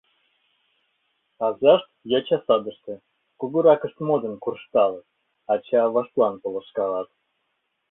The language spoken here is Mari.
— Азашт — йочасадыште, кугуракышт модын куржталыт, ача-аваштлан полышкалат.